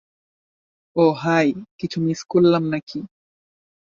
ও, hi, কিছু miss করলাম নাকি!